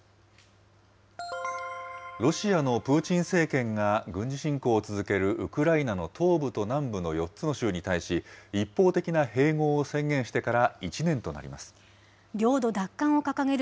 ロシアのプーチン政権が軍事侵攻を続けるウクライナの東部と南部の４つの州に対し、一方的な併合を宣言してから１年となりま領土奪還を掲げる